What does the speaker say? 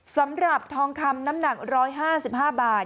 สำหรับทองคำน้ำหนัก๑๕๕บาท